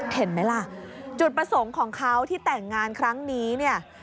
เห็นไหมล่ะจุดประสงค์ของเขาที่แต่งงานครั้งนี้เนี่ย